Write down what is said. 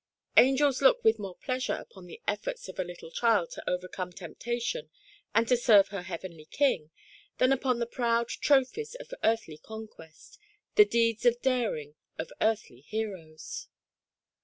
Angels look with more pleasure upon the efforts of a little child to over come temptation and to serve her heavenly King, than upon the proud trophies of earthly conquest, the deeds of daring of earthly heroes.